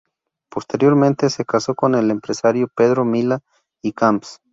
Posteriormente se casó con el empresario Pedro Milá y Camps.